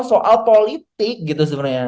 soal politik gitu sebenernya